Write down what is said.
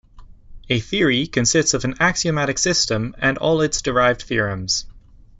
A theory consists of an axiomatic system and all its derived theorems.